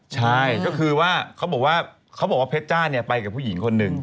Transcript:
ใช่ก็คือว่าเขาบอกว่าเพชรจ้าไปกับผู้หญิงคนนึง